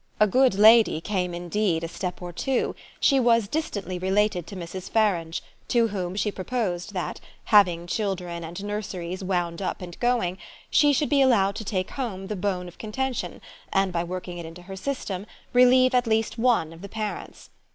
A good lady came indeed a step or two: she was distantly related to Mrs. Farange, to whom she proposed that, having children and nurseries wound up and going, she should be allowed to take home the bone of contention and, by working it into her system, relieve at least one of the parents.